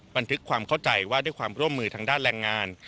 บันทึกความเข้าใจว่าด้วยความร่วมมือทางด้านแรงงาน